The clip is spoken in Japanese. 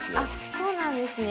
そうなんですね？